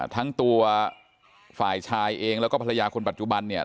ทั้งตัวฝ่ายชายเองแล้วก็ภรรยาคนปัจจุบันเนี่ย